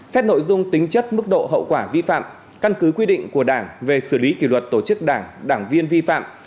xét nội dung tính chất mức độ hậu quả vi phạm căn cứ quy định của đảng về xử lý kỷ luật tổ chức đảng đảng viên vi phạm